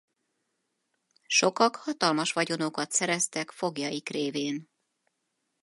Sokak hatalmas vagyonokat szereztek foglyaik révén.